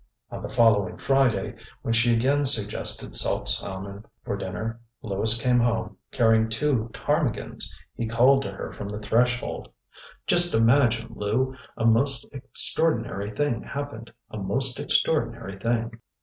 On the following Friday, when she again suggested salt salmon for dinner, Lewis came home, carrying two ptarmigans! He called to her from the threshold: ŌĆ£Just imagine, Lou, a most extraordinary thing happened! A most extraordinary thing!